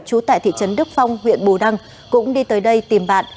trú tại thị trấn đức phong huyện bù đăng cũng đi tới đây tìm bạn